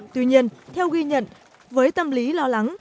tuy nhiên theo ghi nhận với tâm lý lo lắng